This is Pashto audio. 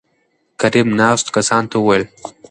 کريم : ناستو کسانو ته وويل